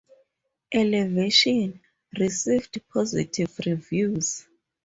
"Elevation" received positive reviews.